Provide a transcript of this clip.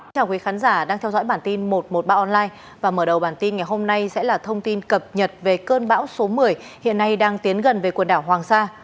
chào quý khán giả đang theo dõi bản tin một trăm một mươi ba online và mở đầu bản tin ngày hôm nay sẽ là thông tin cập nhật về cơn bão số một mươi hiện nay đang tiến gần về quần đảo hoàng sa